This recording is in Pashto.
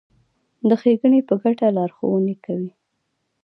د ښېګڼې په ګټه لارښوونې کوي.